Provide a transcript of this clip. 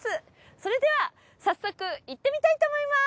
それでは早速行ってみたいと思います。